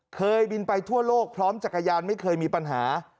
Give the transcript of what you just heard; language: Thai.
เคยบินไปทั่วโลกพร้อมจักรยานไม่เคยมีปัญหา